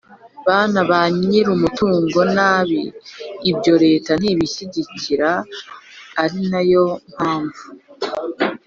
bana ba nyirumutungo nabi. ibyo leta ntibishyigikira ari na yo mpamvu